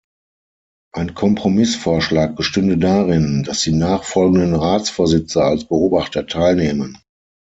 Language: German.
Ein Kompromissvorschlag bestünde darin, dass die nachfolgenden Ratsvorsitze als Beobachter teilnehmen.